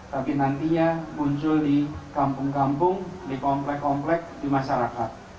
tapi nantinya muncul di kampung kampung di komplek komplek di masyarakat